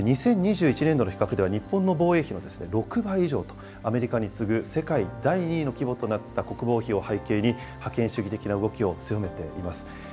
２０２１年度の比較では、日本の防衛費の６倍以上と、アメリカに次ぐ世界第２位の規模となった国防費を背景に、覇権主義的な動きを強めています。